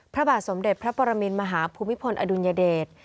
พระบาทสมเด็จพระปรมินมหาภูมิพลอดุลยเดช